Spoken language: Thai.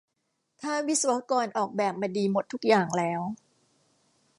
ถ้าวิศวกรออกแบบมาดีหมดทุกอย่างแล้ว